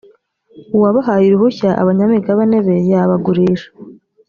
uwahawe uruhushya abanyamigabane be yabagurisha